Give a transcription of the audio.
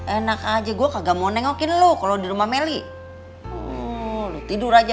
enak aja gua kagak mau nengokin lu kalau di rumah melejahkan lu tidur aja